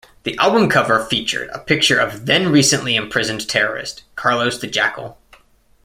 The album cover featured a picture of then-recently imprisoned terrorist Carlos The Jackal.